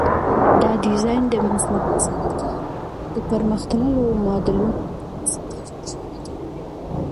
دا ډیزاین د مصنوعي ځیرکتیا د پرمختللو ماډلونو په واسطه جوړ شوی دی.